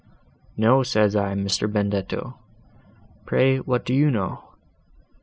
'No,' says I, 'Mr. Benedetto, pray what do you know?